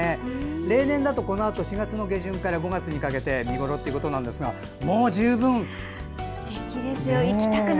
例年だとこのあと４月の下旬から５月にかけて見頃ということですがもう十分。